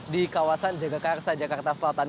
di kawasan jagakarsa jakarta selatan